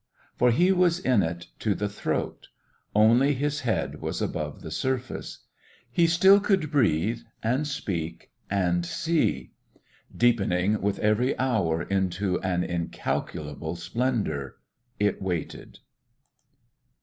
For he was in it to the throat. Only his head was above the surface. He still could breathe and speak and see. Deepening with every hour into an incalculable splendour, it waited.